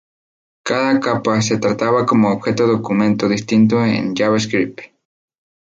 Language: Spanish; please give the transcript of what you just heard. Cada capa se trataba como objeto documento distinto en JavaScript.